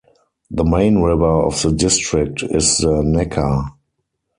The main river of the district is the Neckar.